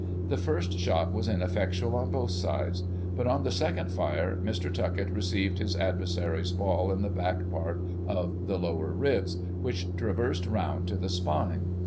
The first shot was ineffectual, on both sides ; but, on the second fire, Mr. Tuckett received his adversary's ball in the back peirt of the lower ribs, which traversed round to the spine.